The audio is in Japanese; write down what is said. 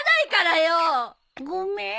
ごめん。